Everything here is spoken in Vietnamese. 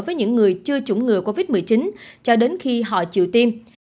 với những người chưa chủng ngừa covid một mươi chín cho đến khi họ chịu tiêm